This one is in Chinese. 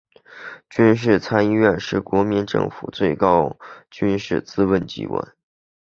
军事参议院是国民政府最高军事咨询机关。